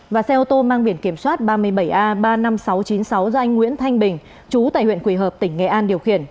và xe ô tô mang biển kiểm soát ba mươi bảy a ba mươi năm nghìn sáu trăm chín mươi sáu do anh nguyễn thanh bình chú tại huyện quỳ hợp tỉnh nghệ an điều khiển